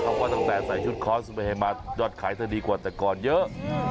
เขาก็ตั้งแต่ใส่ชุดคอสเมเฮมาต์จอดขายเธอดีกว่าแต่ก่อนเยอะ